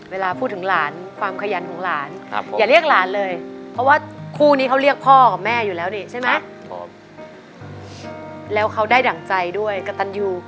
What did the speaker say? เวลาพูดถึงหลานความขยันของหลานอย่าเรียกหลานเลยเพราะว่าคู่นี้เขาเรียกพ่อกับแม่อยู่แล้วนี่ใช่ไหมแล้วเขาได้ดั่งใจด้วยกระตันยู